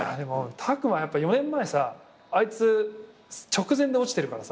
拓磨は４年前さあいつ直前で落ちてるからさ。